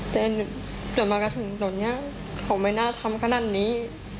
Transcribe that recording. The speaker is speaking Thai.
เน้นหนุ่นมาถึงตอนนี้ขอไม่น่าทำขนาดนี้